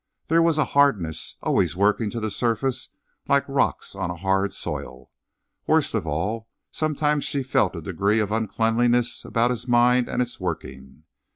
There was a hardness, always working to the surface like rocks on a hard soil. Worst of all, sometimes she felt a degree of uncleanliness about his mind and its working.